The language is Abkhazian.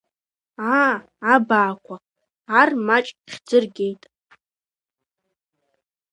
Аа, абаақәа, Ар маҷ хьӡы ргеит!